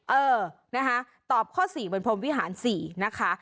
เออนะคะตอบข้อ๔เหมือนพรมวิหาร๔นะคะ